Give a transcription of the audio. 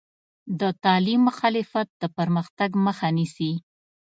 د تعلیم مخالفت د پرمختګ مخه نیسي.